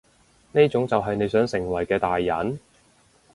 呢種就係你想成為嘅大人？